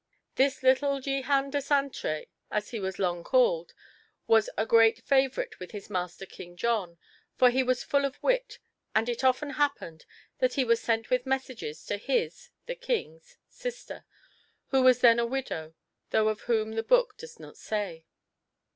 This little Jehan de Saintré, as he was long called, was a great favourite with his master King John, for he was full of wit, and it often happened that he was sent with messages to his [the King's?] sister, who was then a widow, though of whom the book does not say.